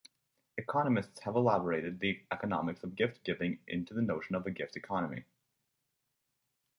Economists have elaborated the economics of gift-giving into the notion of a gift economy.